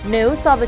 nếu so với